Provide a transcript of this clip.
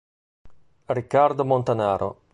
Riccardo Montanaro